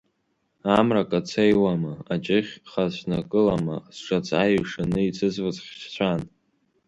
Амра кацеиуама, аҷыхь ҳацәнакылама зҿаҵа еҩшаны еицызфоз хьшьцәан.